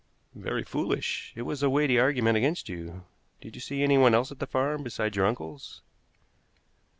"Very foolish! It was a weighty argument against you. Did you see anyone else at the farm beside your uncles?"